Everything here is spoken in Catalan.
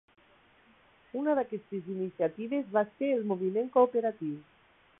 Una d'aquestes iniciatives va ser el moviment cooperatiu.